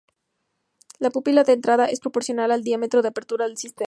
La pupila de entrada es proporcional al diámetro de apertura del sistema.